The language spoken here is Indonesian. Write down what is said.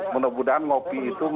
mudah mudahan ngopi itu